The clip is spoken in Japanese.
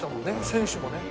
選手もね。